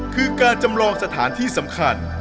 คือการจำลองสถานที่สำคัญ